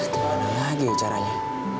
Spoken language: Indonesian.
gimana lagi caranya